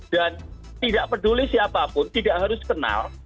dan tidak peduli siapapun tidak harus kenal